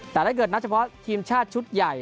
แต่ถ้าเกิดนับเฉพาะทีมชาติชุดใหญ่